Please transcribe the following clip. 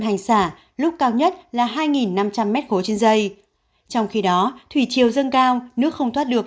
hành xả lúc cao nhất là hai năm trăm linh m ba trên dây trong khi đó thủy chiều dâng cao nước không thoát được